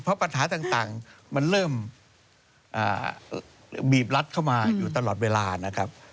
เพราะปัญหาต่างมันเริ่มบีบรัดเข้ามาอยู่ตลอดเวลานะครับ